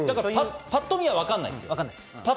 パッと見はわからないです。